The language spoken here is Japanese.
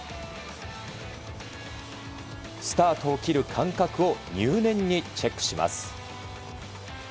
スタートを切る感覚を入念にチェックします。